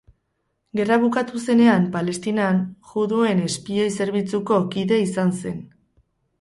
Gerra bukatu zenean, Palestinan, juduen espioi-zerbitzuko kide izan zen.